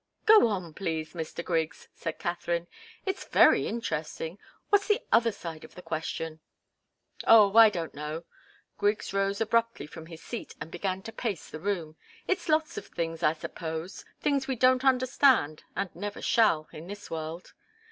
"Go on, please, Mr. Griggs," said Katharine. "It's very interesting. What's the other side of the question?" "Oh I don't know!" Griggs rose abruptly from his seat and began to pace the room. "It's lots of things, I suppose. Things we don't understand and never shall in this world."